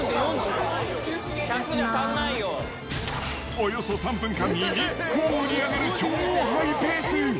およそ３分間に１個を売り上げる超ハイペース。